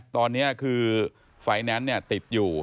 ตอนนี้คือไฟแนนซ์ติดอยู่